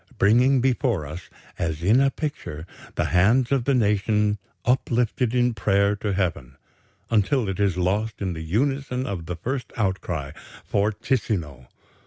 bringing before us, as in a picture, the hands of the nation uplifted in prayer to Heaven, until it is lost in the unison of the first outcry, fortissimo....